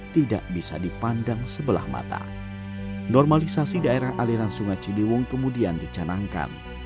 tidak bisa dipandang sebelah mata normalisasi daerah aliran sungai ciliwung kemudian dicanangkan